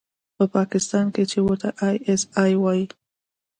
په پاکستان کښې چې ورته آى اس آى وايي.